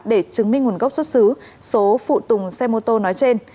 để chứng minh nguồn gốc xuất xứ số phụ tùng xe mô tô nói trên